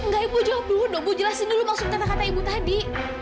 enggak ibu jawab dulu dong bu jelasin dulu maksud kata kata ibu tadi